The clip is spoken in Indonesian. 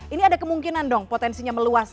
ini ada kemungkinan dong potensinya meluas